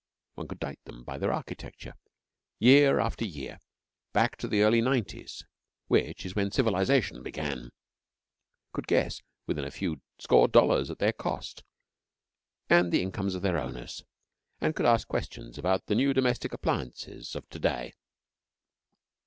One could date them by their architecture, year after year, back to the Early 'Nineties, which is when civilisation began; could guess within a few score dollars at their cost and the incomes of their owners, and could ask questions about the new domestic appliances of to day.